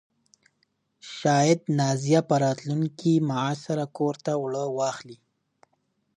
شاید نازیه په راتلونکي معاش سره کور ته اوړه واخلي.